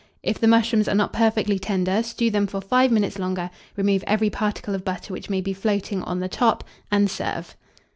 If the mushrooms are not perfectly tender, stew them for 5 minutes longer, remove every particle of butter which may be floating on the top, and serve.